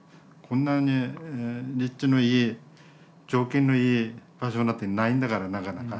こんなに立地のいい条件のいい場所なんてないんだからなかなか。